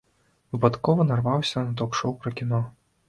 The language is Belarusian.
Выпадкова нарваўся на ток-шоў пра кіно.